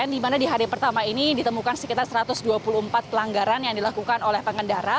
di mana di hari pertama ini ditemukan sekitar satu ratus dua puluh empat pelanggaran yang dilakukan oleh pengendara